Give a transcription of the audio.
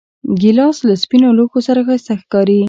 ګیلاس له سپینو لوښو سره ښایسته ښکاري.